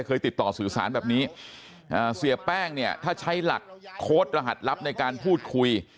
เคยติดต่อสื่อสารแบบนี้เสียแป้งเนี่ยถ้าใช้หลักโค้ดรหัสลับในการพูดคุย